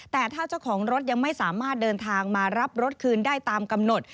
แต่ถ้าเจ้าของรถยังไม่สามารถเดินทางมารับรถคืนได้ตามกำหนด